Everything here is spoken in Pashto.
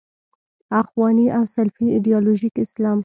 اخواني او سلفي ایدیالوژیک اسلام.